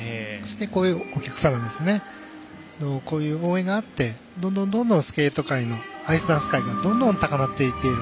お客さんの応援があってどんどんスケート界のアイスダンス界がどんどん高まっていっている。